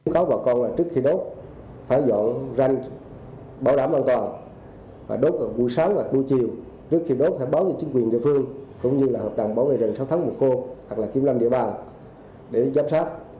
các bà con trước khi đốt phải dọn ranh bảo đảm an toàn và đốt vào buổi sáng và cuối chiều trước khi đốt phải báo cho chính quyền địa phương cũng như hợp đồng bảo vệ rừng sáu tháng một khô hoặc là kiếm lâm địa bàn để giám sát